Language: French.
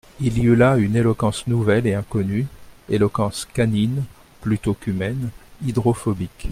Il y eut là une éloquence nouvelle et inconnue, éloquence canine, plutôt qu'humaine, hydrophobique.